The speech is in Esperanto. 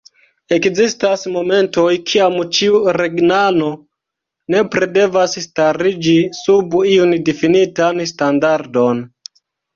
Ekzistas momentoj, kiam ĉiu regnano nepre devas stariĝi sub iun difinitan standardon.